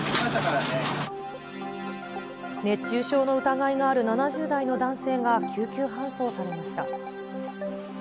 熱中症の疑いがある７０代の男性が救急搬送されました。